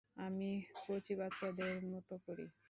আমি কচি বাচ্চাদের মতো করি?